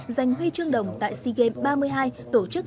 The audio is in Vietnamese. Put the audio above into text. giành huy chương đồng tại sea games ba mươi hai